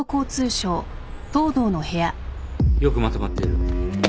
よくまとまっている。